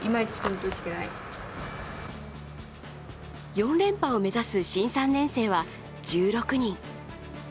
４連覇を目指す新３年生は１６人。